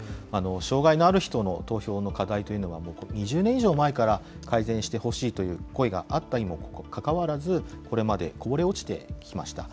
障害のある人の投票の課題というのは、２０年以上前から改善してほしいという声があったにもかかわらず、これまでこぼれ落ちてきました。